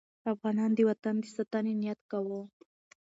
افغانان د وطن د ساتنې نیت کاوه.